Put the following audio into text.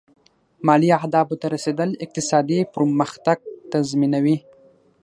مالي اهدافو ته رسېدل اقتصادي پرمختګ تضمینوي.